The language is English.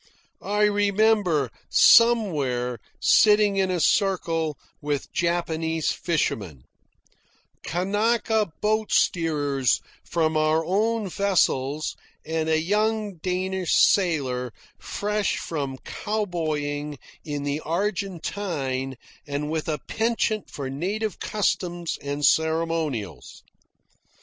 I remember, somewhere, sitting in a circle with Japanese fishermen, Kanaka boat steerers from our own vessels, and a young Danish sailor fresh from cowboying in the Argentine and with a penchant for native customs and ceremonials.